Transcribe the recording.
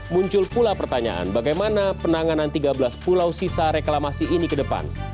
muncul pula pertanyaan bagaimana penanganan tiga belas pulau sisa reklamasi ini ke depan